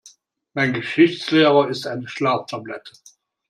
Mein Geschichtslehrer ist eine Schlaftablette.